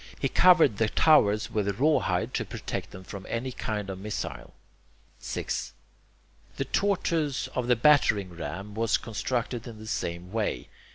He covered the towers with rawhide to protect them from any kind of missile. 6. The tortoise of the battering ram was constructed in the same way.